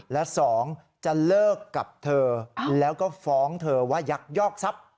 และ๒จะเลิกกับเธอแล้วก็ฟ้องเธอว่ายักยอกทรัพย์